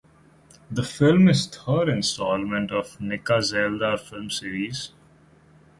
The film is third instalment of Nikka Zaildar film series.